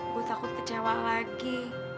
gue takut kecewa lagi